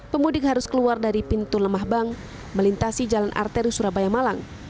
pemudik harus keluar dari pintu lemah bank melintasi jalan arteri surabaya malang